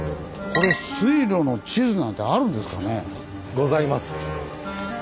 ございます。